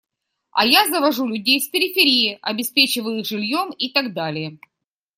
А я завожу людей с периферии, обеспечиваю их жильем и так далее.